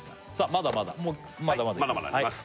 まだまだまだまだいきます